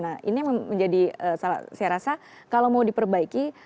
nah ini menjadi salah saya rasa kalau mau diperbaiki